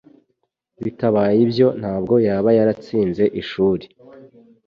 bitabaye ibyo, ntabwo yaba yaratsinze ishuri.